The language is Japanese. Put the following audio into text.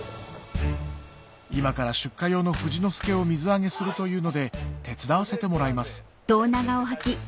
今から出荷用の富士の介を水揚げするというので手伝わせてもらいますうわっ！